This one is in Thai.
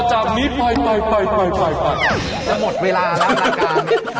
จะหมดเวลาแล้ว